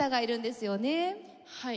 はい。